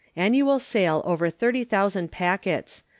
_ANNUAL SALE OVER THIRTY THOUSAND PACKETS.